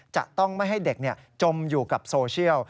จะต้องไม่ให้เด็กจมอยู่กับโซเชียล